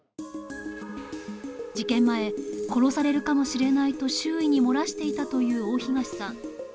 事件前、殺されるかもしれないと周囲に漏らしていたという大東さん。